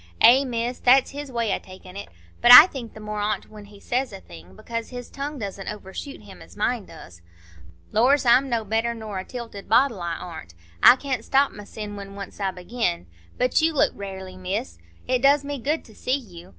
"Eh, Miss, that's his way o' takin' it. But I think the more on't when he says a thing, because his tongue doesn't overshoot him as mine does. Lors! I'm no better nor a tilted bottle, I ar'n't,—I can't stop mysen when once I begin. But you look rarely, Miss; it does me good to see you.